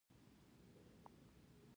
خو که د ملت پرېکړه دا وي چې غني دې واکمن شي.